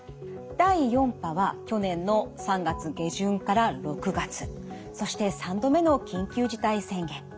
第４波は去年の３月下旬から６月そして３度目の緊急事態宣言。